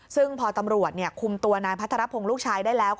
ซึ่งพอตำรวจคุมตัวนายพัทรพงศ์ลูกชายได้แล้ว